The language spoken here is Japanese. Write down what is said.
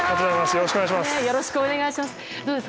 よろしくお願いします。